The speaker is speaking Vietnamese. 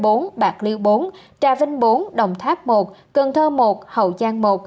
đồng nai bốn bạc liêu bốn trà vinh bốn đồng tháp một cần thơ một hậu giang một